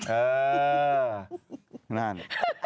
เออนั่น